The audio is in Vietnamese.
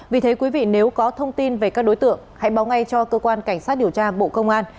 vì thế quý vị nếu có thông tin về các đối tượng hãy báo ngay cho cơ quan cảnh sát điều tra bộ công an